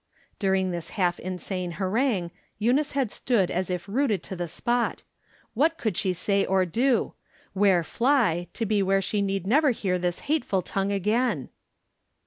During this half insane harangue Eunice had stood as if rooted to the spot. What could she say or do ? Where fly, to be where she need never hear this hateful tongue again